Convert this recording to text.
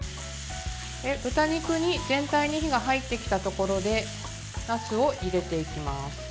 豚肉に全体に火が入ってきたところでなすを入れていきます。